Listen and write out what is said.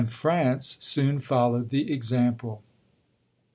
France soon followed the example.